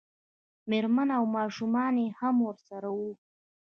مېرمنه او ماشومان یې هم ورسره وو.